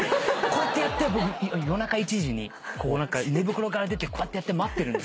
こうやってやって僕夜中１時に寝袋から出てこうやってやって待ってるんです。